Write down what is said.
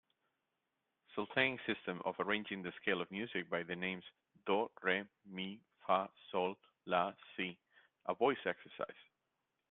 Solfaing system of arranging the scale of music by the names do, re, mi, fa, sol, la, si a voice exercise.